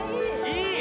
いい！